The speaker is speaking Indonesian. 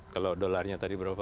kalau dolarnya tadi berapa